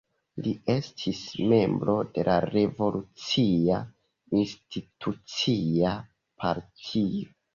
Li estis membro de la Revolucia Institucia Partio.